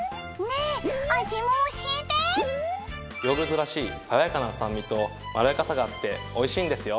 ヨーグルトらしい爽やかな酸味とまろやかさがあっておいしいんですよ。